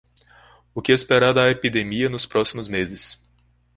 O que esperar da epidemia nos próximos meses